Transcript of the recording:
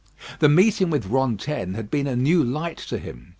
The meeting with Rantaine had been a new light to him.